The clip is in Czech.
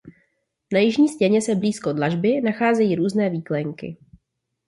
Na jižní stěně se blízko dlažby nacházejí různé výklenky.